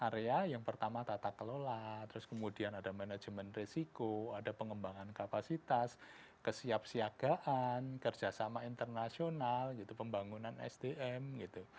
area yang pertama tata kelola terus kemudian ada manajemen risiko ada pengembangan kapasitas kesiapsiagaan kerjasama internasional gitu pembangunan sdm gitu